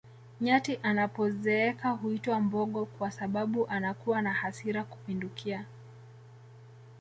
nyati anapozeeka huitwa mbogo kwa sababu anakuwa na hasira kupindukia